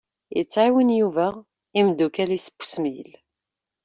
Yettɛiwin Yuba imeddukal-is n usmil.